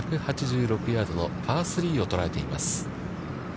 １８６ヤードのパー３を捉えています。